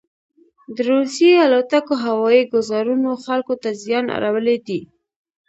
دروسیې الوتکوهوایي ګوزارونوخلکو ته زیان اړولی دی.